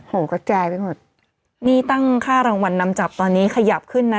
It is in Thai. กระจายไปหมดนี่ตั้งค่ารางวัลนำจับตอนนี้ขยับขึ้นนะ